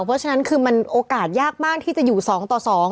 เพราะฉะนั้นคือมันโอกาสยากมากที่จะอยู่๒ต่อ๒